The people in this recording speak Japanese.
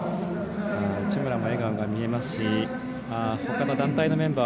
内村の笑顔が見えますしほかの団体メンバー